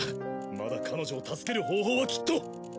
まだ彼女を助ける方法はきっと。